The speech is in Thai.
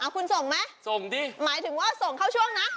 คุณส่งไหมส่งดิหมายถึงว่าส่งเข้าช่วงนะ